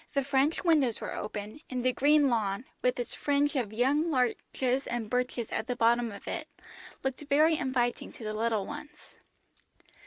The French windows were open, and the green lawn, with its fringe of young larches and birches at the bottom of it, looked very inviting to the little ones.